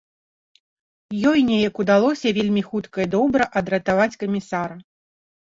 Ёй неяк удалося вельмі хутка і добра адратаваць камісара.